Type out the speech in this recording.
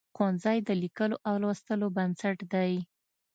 ښوونځی د لیکلو او لوستلو بنسټ دی.